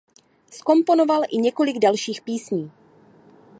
Zkomponoval i několik dalších písní.